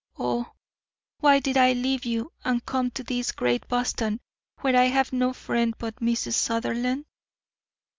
Oh, why did I leave you and come to this great Boston where I have no friend but Mrs. Sutherland?